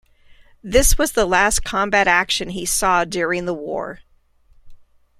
This was the last combat action he saw during the war.